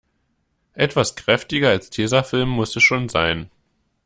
Etwas kräftiger als Tesafilm muss es schon sein.